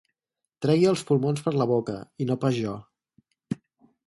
Tregui els pulmons per la boca, i no pas jo.